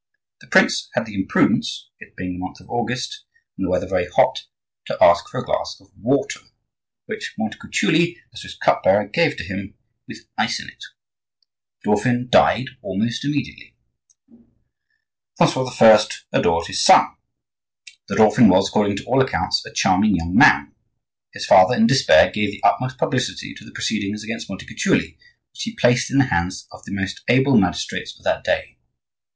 The prince had the imprudence—it being the month of August, and the weather very hot—to ask for a glass of water, which Montecuculi, as his cup bearer, gave to him, with ice in it. The dauphin died almost immediately. Francois I. adored his son. The dauphin was, according to all accounts, a charming young man. His father, in despair, gave the utmost publicity to the proceedings against Montecuculi, which he placed in the hands of the most able magistrates of that day.